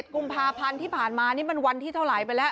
กุมภาพันธ์ที่ผ่านมานี่มันวันที่เท่าไหร่ไปแล้ว